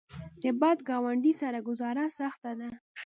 د بد ګاونډي سره ګذاره سخته ده.